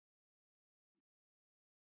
ازادي راډیو د اټومي انرژي د تحول لړۍ تعقیب کړې.